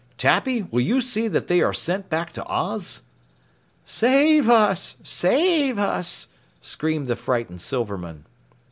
Tappy, will you see that they are sent back to Oz?" "Save us! Save us!" screamed the frightened Silvermen.